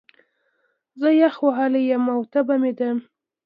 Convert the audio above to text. زه يخ وهلی يم، او تبه مې ده